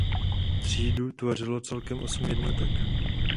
Třídu tvořilo celkem osm jednotek.